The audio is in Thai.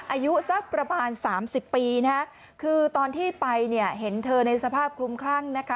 อายุสักประมาณสามสิบปีนะฮะคือตอนที่ไปเนี่ยเห็นเธอในสภาพคลุมคลั่งนะคะ